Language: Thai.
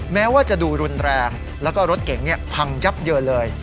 แม้ว่าจะดูรุนแรงแล้วก็รถเก๋งพังยับเยินเลย